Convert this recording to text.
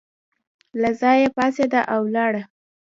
له ځایه پاڅېده او ولاړه.